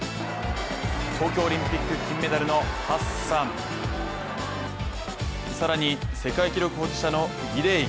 東京オリンピック金メダルのハッサン更に世界記録保持者のギデイ。